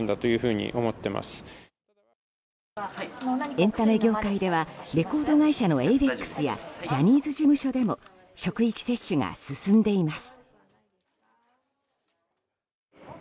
エンタメ業界ではレコード会社のエイベックスやジャニーズ事務所でも職域接種が進んでいます。